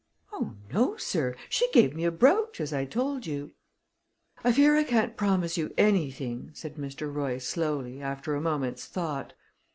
"Oh, no, sir; she gave me a brooch, as I told you." "I fear I can't promise you anything," said Mr. Royce slowly, after a moment's thought.